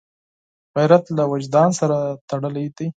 غیرت له وجدان سره تړلی دی